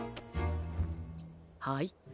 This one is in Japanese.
はい。